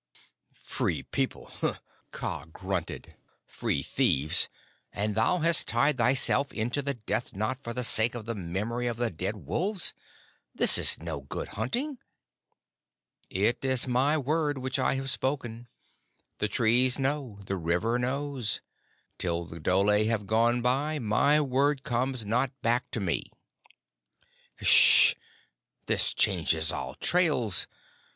"Free People," Kaa grunted. "Free thieves! And thou hast tied thyself into the death knot for the sake of the memory of the dead wolves? This is no good hunting." "It is my Word which I have spoken. The Trees know, the River knows. Till the dhole have gone by my Word comes not back to me." "Ngssh! This changes all trails.